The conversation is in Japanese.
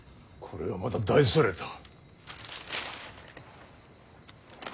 これはまた大それた。